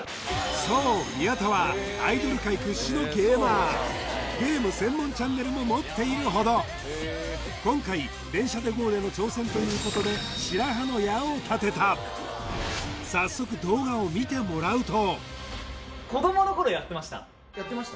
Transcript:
そう宮田はアイドル界屈指のゲーマーゲーム専門チャンネルも持っているほど今回電車でＧＯ！！での挑戦ということでを立てた早速やってました？